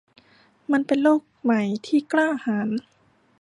มันเป็นโลกใหม่ที่กล้าหาญ